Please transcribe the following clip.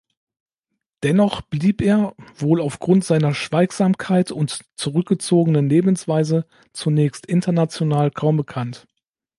Dennoch blieb er, wohl aufgrund seiner Schweigsamkeit und zurückgezogenen Lebensweise, zunächst international kaum bekannt.